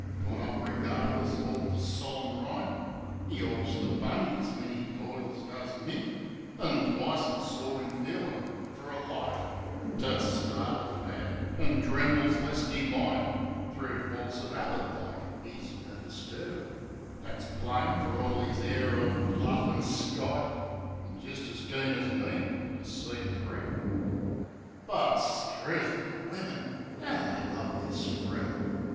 Got up regardless fer the solim rite. ('E 'awks the bunnies when 'e toils, does Mick) An' twice I saw 'im feelin' fer a light To start a fag; an' trembles lest 'e might. Thro' force o' habit like. 'E's nervis too; That's plain, fer orl 'is air o' blufif an' skite; An' jist as keen as me to see it thro'. HITCHED 79 But, 'struth, the wimmin! 'Ow they love this frill!